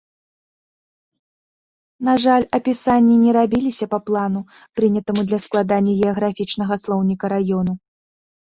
На жаль, апісанні не рабіліся па плану, прынятаму для складання геаграфічнага слоўніка раёну.